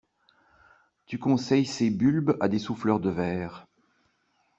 Tu conseilles ces bulbes à des souffleurs de verre.